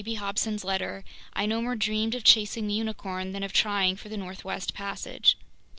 B. Hobson's letter, I no more dreamed of chasing the unicorn than of trying for the Northwest Passage.